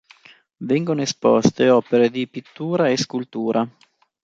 Vengono esposte opere di pittura e scultura.